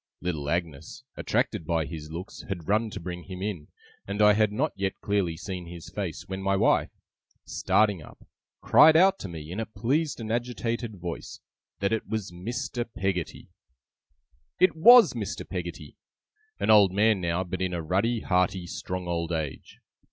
Little Agnes, attracted by his looks, had run to bring him in, and I had not yet clearly seen his face, when my wife, starting up, cried out to me, in a pleased and agitated voice, that it was Mr. Peggotty! It WAS Mr. Peggotty. An old man now, but in a ruddy, hearty, strong old age.